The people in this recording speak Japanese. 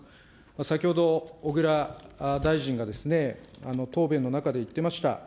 先ほど小倉大臣が、答弁の中で言ってました。